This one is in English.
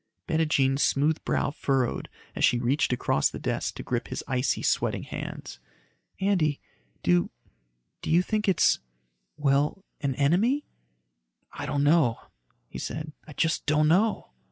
Bettijean's smooth brow furrowed and she reached across the desk to grip his icy, sweating hands. "Andy, do ... do you think it's ... well, an enemy?" "I don't know," he said. "I just don't know."